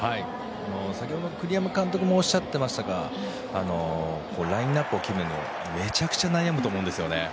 先ほど、栗山監督もおっしゃっていましたがラインナップを決めるのにめちゃくちゃ悩むと思うんですよね。